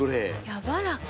やわらか。